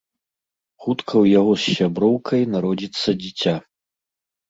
Хутка ў яго з сяброўкай народзіцца дзіця.